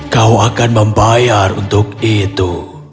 kau akan membayar untuk itu